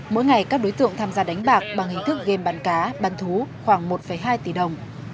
mỗi ngày các đối tượng tham gia đánh bạc bằng hình thức game bắn cá bán thú khoảng một hai tỷ đồng